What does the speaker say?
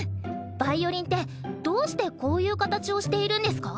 ヴァイオリンってどうしてこういう形をしているんですか？